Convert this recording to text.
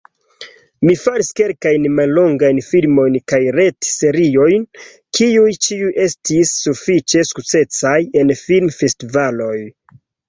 Mi faris kelkajn mallongajn filmojn kaj retseriojn, kiuj ĉiuj estis sufiĉe sukcesaj en filmfestivaloj.